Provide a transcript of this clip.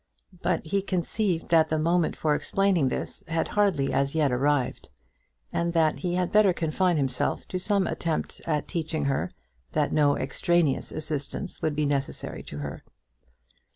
But he conceived that the moment for explaining this had hardly as yet arrived, and that he had better confine himself to some attempt at teaching her that no extraneous assistance would be necessary to her.